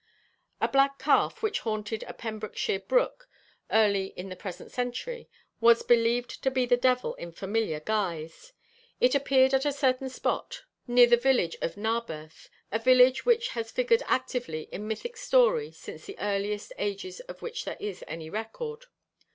' A black calf, which haunted a Pembrokeshire brook early in the present century, was believed to be the devil in familiar guise. It appeared at a certain spot near the village of Narberth a village which has figured actively in mythic story since the earliest ages of which there is any record.